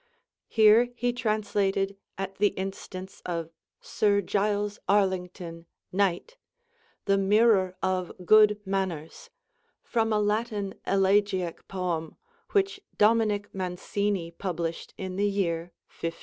Here he translated at the instance of Sir Giles Arlington, Knight, 'The Myrrour of Good Maners,' from a Latin elegiac poem which Dominic Mancini published in the year 1516.